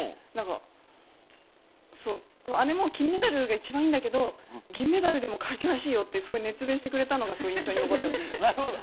姉も金メダルが一番いいんだけど銀メダルでも快挙らしいよってすごい熱弁してくれたのが印象に残っています。